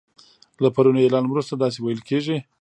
له پروني اعلان وروسته داسی ویل کیږي